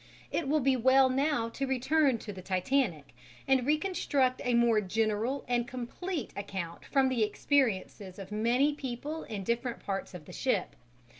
It will be well now to return to the Titanic and reconstruct a more general and complete account from the experiences of many people in different parts of the ship.